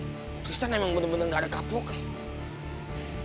tristan emang bener bener gak ada kapoknya